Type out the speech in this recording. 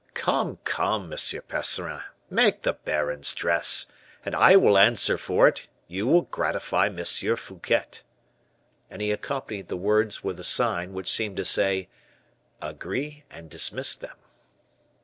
"Come, come, M. Percerin, make the baron's dress; and I will answer for it you will gratify M. Fouquet." And he accompanied the words with a sign, which seemed to say, "Agree, and dismiss them."